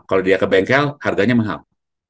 kalau dia ke bengkel harganya mahal